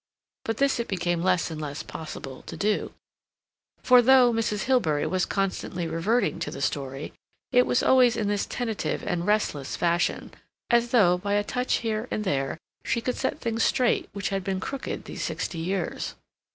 But this it became less and less possible to do, for though Mrs. Hilbery was constantly reverting to the story, it was always in this tentative and restless fashion, as though by a touch here and there she could set things straight which had been crooked these sixty years.